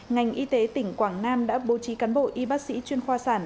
ngành y tế tỉnh quảng nam đã bố trí cán bộ y bác sĩ chuyên khoa sản